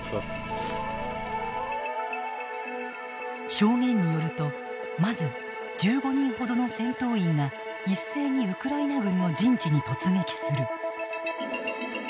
証言によるとまず、１５人ほどの戦闘員が一斉にウクライナ軍の陣地に突撃する。